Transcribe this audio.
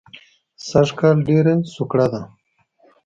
سږ کال ډېره سوکړه ده